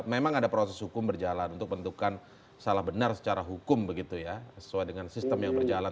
memang ada proses hukum berjalan untuk bentukan salah benar secara hukum begitu ya sesuai dengan sistem yang berjalan